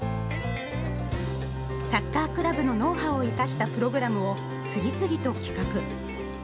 サッカークラブのノウハウを生かしたプログラムを次々と企画。